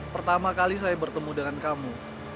pertama kali saya bertemu dengan kamu